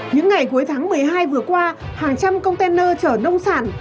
những ngày cuối tháng một mươi hai vừa qua hàng trăm container chở nông sản